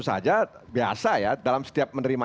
saja biasa ya dalam setiap menerima